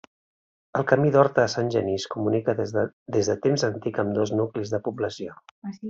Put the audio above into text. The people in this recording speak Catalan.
El camí d'Horta a Sant Genís comunica des de temps antic ambdós nuclis de població.